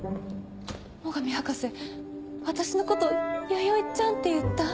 最上博士私のこと「弥生ちゃん」って言った？